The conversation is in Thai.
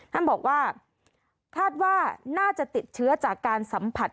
ท่านบอกว่าคาดว่าน่าจะติดเชื้อจากการสัมผัส